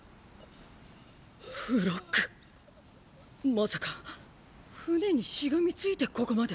まさか船にしがみついてここまで。